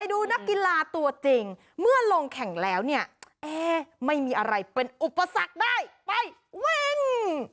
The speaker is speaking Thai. ดูนักกีฬาตัวจริงเมื่อลงแข่งแล้วเนี่ยเอ๊ไม่มีอะไรเป็นอุปสรรคได้ไปวิ่ง